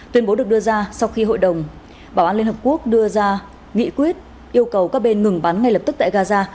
tuyên bố được đưa ra sau khi hội đồng bảo an liên hợp quốc đưa ra nghị quyết yêu cầu các bên ngừng bắn ngay lập tức tại gaza